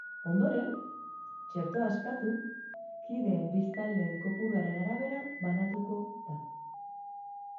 Ondoren, txertoa estatu kideen biztanle kopuruaren arabera banatuko da.